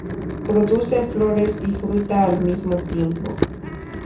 Produce flores y fruta al mismo tiempo.